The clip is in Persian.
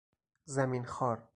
زمین خوار